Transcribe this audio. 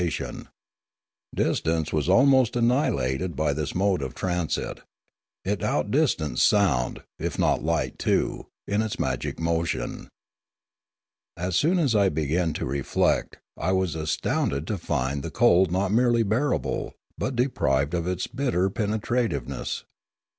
176 Limanora Distance was almost annihilated by this mode of transit. It outdistanced sound, if not light too, in its magic motion. As soon as I began to reflect, I was astounded to find the cold not merely bearable, but deprived of its bitter penetrativeness.